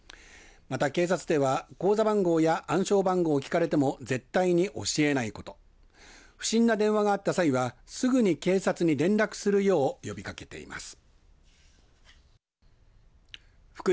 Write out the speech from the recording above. また警察では口座番号や暗証番号を聞かれても絶対に教えないこと、不審な電話があった際はすぐに警察に連絡するよう呼びかけています。